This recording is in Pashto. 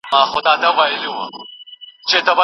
پر چمن باندي له دریو خواوو